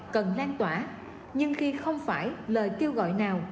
cần lan tỏa nhưng khi không phải lời kêu gọi nào